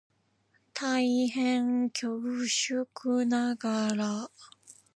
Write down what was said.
大変恐縮ながら